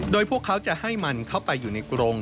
โดยพวกเขาจะให้มันเข้าไปอยู่ในกรง